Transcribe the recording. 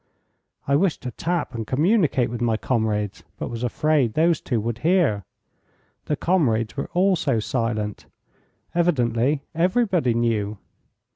I wished to tap and communicate with my comrades, but was afraid those two would hear. The comrades were also silent. Evidently everybody knew.